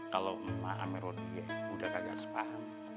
kalau emak sama rodi ya udah kagak sepaham